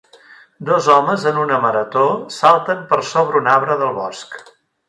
Dos homes en una marató salten per sobre un arbre del bosc